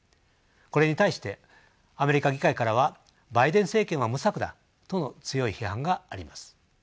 これに対してアメリカ議会からはバイデン政権は無策だとの強い批判があります。